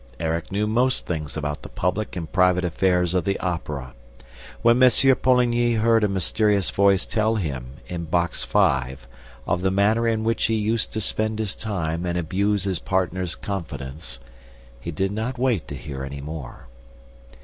Erik knew most things about the public and private affairs of the Opera. When M. Poligny heard a mysterious voice tell him, in Box Five, of the manner in which he used to spend his time and abuse his partner's confidence, he did not wait to hear any more.